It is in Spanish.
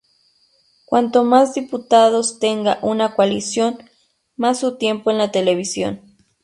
Cuanto más diputados tenga una coalición, más su tiempo en la televisión.